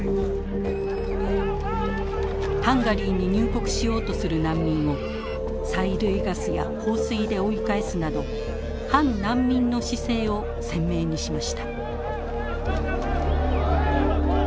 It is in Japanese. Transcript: ハンガリーに入国しようとする難民を催涙ガスや放水で追い返すなど「反難民」の姿勢を鮮明にしました。